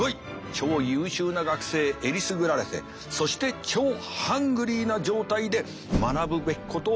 超優秀な学生えりすぐられてそして超ハングリーな状態で学ぶべきことを学んでいる状態。